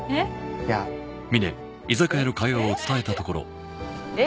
いやえっ？